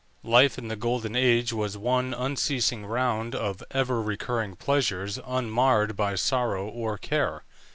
Life in the Golden Age was one unceasing round of ever recurring pleasures unmarred by sorrow or care.